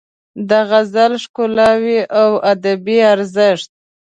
د غزل ښکلاوې او ادبي ارزښت